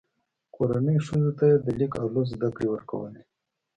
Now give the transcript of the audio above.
کورنۍ ښځو ته یې د لیک او لوست زده کړې ورکولې.